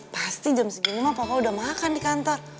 pasti jam segini mah papa udah makan di kantor